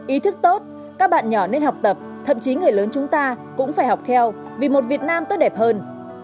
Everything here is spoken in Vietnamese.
ý thức tốt các bạn nhỏ nên học tập thậm chí người lớn chúng ta cũng phải học theo vì một việt nam tốt đẹp hơn